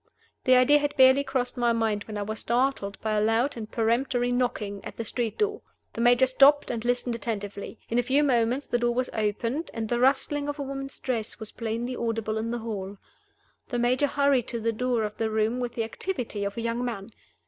The idea had barely crossed my mind when I was startled by a loud and peremptory knocking at the street door. The Major stopped and listened attentively. In a few moments the door was opened, and the rustling of a woman's dress was plainly audible in the hall. The Major hurried to the door of the room with the activity of a young man.